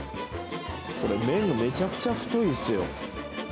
これ、麺がめちゃくちゃ太いんですよ。